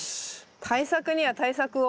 対策には対策を。